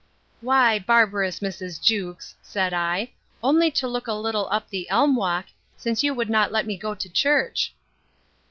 Why, barbarous Mrs. Jewkes, said I, only to look a little up the elm walk, since you would not let me go to church.